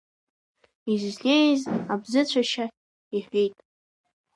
Изызнеиз абзыцәашьа иҳәеит.